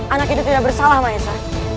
anak itu tidak bersalah mahesa